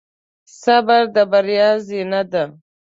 صبر د بریا زینه ده.